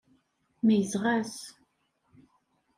Meyyzeɣ-as.